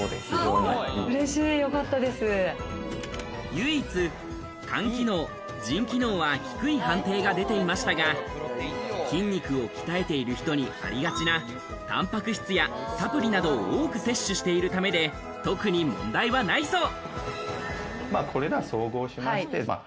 唯一、肝機能、腎機能は低い判定が出ていましたが、筋肉を鍛えている人にありがちなタンパク質やサプリなどを多く摂取しているためで、特に問題はないそう。